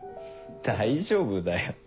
大丈夫だよ。